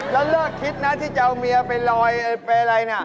แล้วเลิกคิดนะที่จะเอาเมียไปลอยไปอะไรนะ